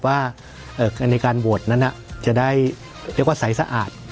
ว่าในการบวชนั้นจะได้เรียกว่าใสสะอาด